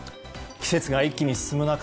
季節が一気に進む中